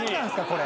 これ。